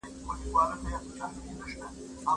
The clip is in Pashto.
څوک د کډوالو ستونزي له سفارتونو سره شریکوي؟